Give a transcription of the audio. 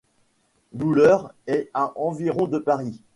Bouleurs est à environ de Paris.